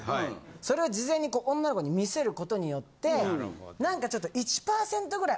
それを事前に女の子に見せることによって何かちょっと１パーセントぐらい。